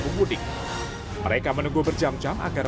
pemudik mereka menunggu berjam jam agar